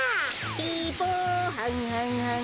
ピポはんはんはん。